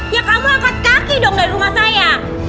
ya kamu angkat kaki dong dari rumah saya